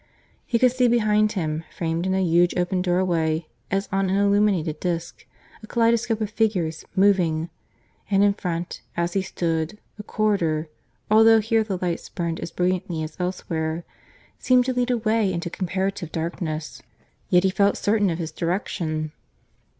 He could see behind him, framed in a huge open doorway, as on an illuminated disc, a kaleidoscope of figures moving; and in front, as he stood, the corridor, although here the lights burned as brilliantly as elsewhere, seemed to lead away into comparative darkness. Yet he felt certain of his direction.